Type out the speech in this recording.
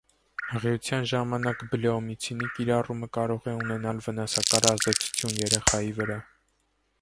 Հղիության ժամանակ բլեոմիցինի կիրառումը կարող է ունենալ վնասակար ազդեցություն երեխայի վրա։